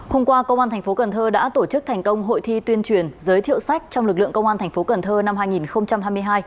hôm qua công an thành phố cần thơ đã tổ chức thành công hội thi tuyên truyền giới thiệu sách trong lực lượng công an thành phố cần thơ năm hai nghìn hai mươi hai